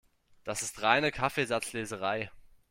Das ist reine Kaffeesatzleserei.